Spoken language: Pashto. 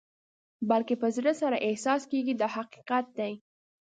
بلکې په زړه سره احساس کېږي دا حقیقت دی.